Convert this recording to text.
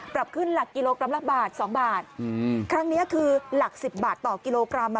ปรับขึ้นหลักกิโลกรัมละบาทสองบาทอืมครั้งนี้คือหลักสิบบาทต่อกิโลกรัมอ่ะ